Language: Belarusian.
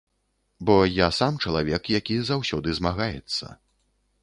Бо я сам чалавек, які заўсёды змагаецца.